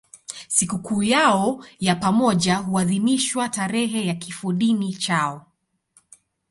Sikukuu yao ya pamoja huadhimishwa tarehe ya kifodini chao.